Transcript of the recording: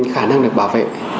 khả năng được bảo vệ